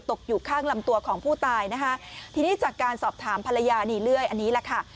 ตกอยู่ข้างลำตัวของผู้ตายนะคะทีนี้จากการสอบถามภรรยานี่เลื่อยอันนี้แหละค่ะ